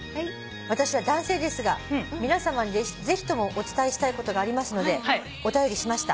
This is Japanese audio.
私は男性ですが皆さまにぜひともお伝えしたいことがありますのでお便りしました」